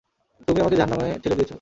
তুমি আমাকে জাহান্নামে ঠেলে দিয়েছ!